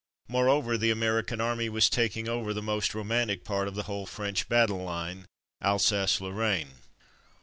Moreover, the American Army was taking over the most romantic part of the whole French battle line, Alsace Lorraine.